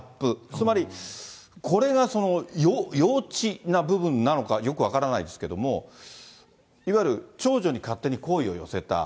つまり、これが幼稚な部分なのか、よく分からないんですけど、いわゆる長女に勝手に好意を寄せた。